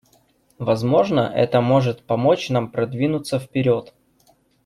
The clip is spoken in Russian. Возможно, это может помочь нам продвинуться вперед.